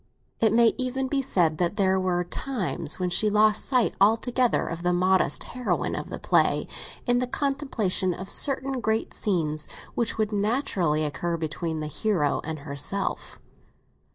It may even be said that there were times when she lost sight altogether of the modest heroine of the play, in the contemplation of certain great passages which would naturally occur between the hero and herself.